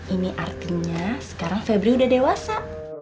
ini artinya sekarang febri udah dewasa